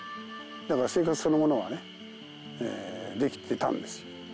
だから生活そのものはねできてたんですよ。